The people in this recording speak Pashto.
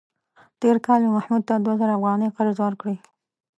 تېر کال مې محمود ته دوه زره افغانۍ قرض ورکړې.